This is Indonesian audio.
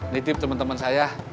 nitip temen temen saya